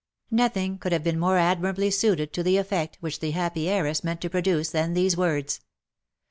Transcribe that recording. Nothing could have been more admirably suited to the effect which the happy heiress meant to produce, than these words.